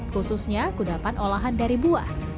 khususnya kudapan olahan dari buah